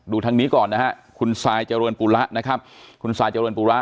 ทางนี้ก่อนนะฮะคุณซายเจริญปุระนะครับคุณซายเจริญปุระ